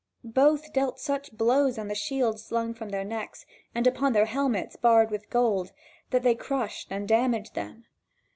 Both dealt such blows on the shield slung from their necks, and upon their helmets barred with gold, that they crushed and damaged them.